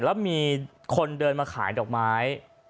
แล้วมีคนเดินมาขายดอกไม้